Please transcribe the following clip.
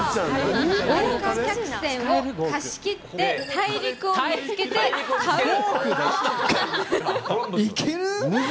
豪華客船を貸し切って大陸をいける？